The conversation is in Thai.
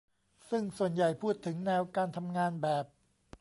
ซึ่งส่วนใหญ่พูดถึงแนวการทำงานแบบ